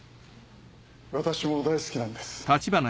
私も大好きなんです。